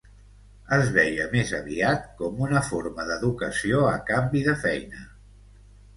Es veia més aviat com una forma d'educació a canvi de feina.